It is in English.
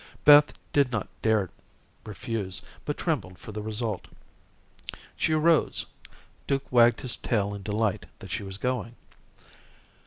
Beth did not dare refuse, but trembled for the result. She arose. Duke wagged his tail in delight that she was going.